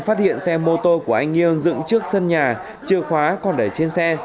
phát hiện xe mô tô của anh nghiêng dựng trước sân nhà chìa khóa còn để trên xe